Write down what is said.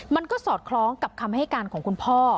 มันก็สอดคล้องกับคำให้การของคุณพ่อ